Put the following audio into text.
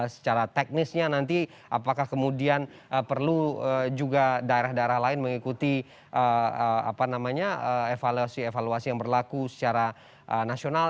secara teknisnya nanti apakah kemudian perlu juga daerah daerah lain mengikuti evaluasi evaluasi yang berlaku secara nasional